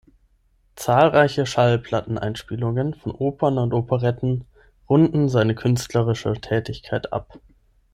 Zahlreiche Schallplatteneinspielungen von Opern und Operetten runden seine künstlerische Tätigkeit ab.